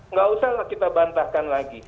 nggak usah lah kita bantahkan lagi